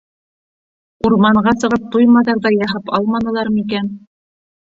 Урманға сығып туй-маҙар ҙа яһап алманылар микән?